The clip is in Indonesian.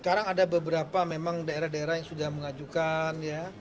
sekarang ada beberapa memang daerah daerah yang sudah mengajukan ya